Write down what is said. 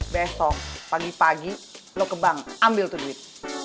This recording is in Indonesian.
besok pagi pagi lo ke bank ambil tuh duit